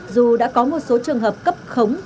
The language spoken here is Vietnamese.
dù đã có một số trường hợp cấp khống